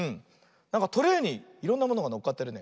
なんかトレーにいろんなものがのっかってるね。